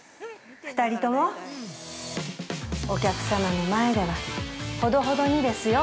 ◆２人とも、お客様の前ではほどほどにですよ。